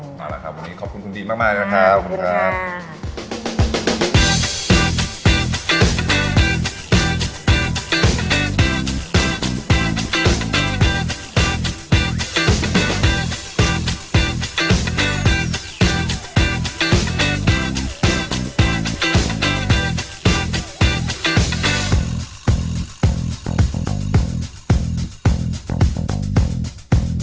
นั่นแหละครับวันนี้ขอบคุณคุณดีมากเลยครับ